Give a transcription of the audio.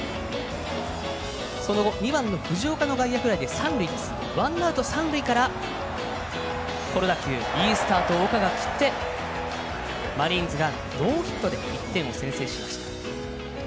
２番の藤井の外野フライで三塁ワンアウト三塁からいいスタートを岡が切ってマリーンズがノーヒットで１点を先制しました。